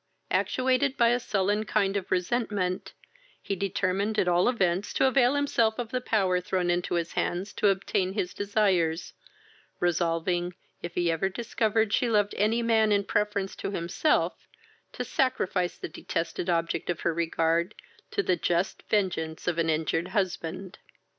Actuated by a sullen kind of resentment, he determined at all events to avail himself of the power thrown into his hands to obtain his desires, resolving, if ever he discovered she loved any man in preference to himself, to sacrifice the detested object of her regard to the just vengeance of an injured husband.